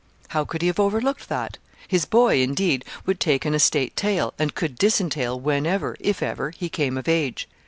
How could he have overlooked that? His boy, indeed, would take an estate tail and could disentail whenever if ever he came of age.